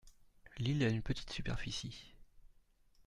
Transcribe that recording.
L’île a une petite superficie.